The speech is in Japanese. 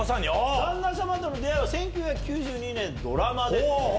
旦那様との出会いは１９９２年、ドラマで。